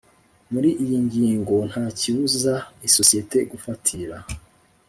Muri iyi ngingo ntakibuza isosiyete gufatira